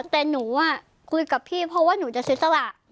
แต่หนูคุยกับพี่เพราะว่าหนูจะเสียสละ